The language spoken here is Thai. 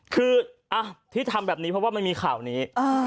คือที่ทำแบบนี้เพราะว่ามันมีข่าวนี้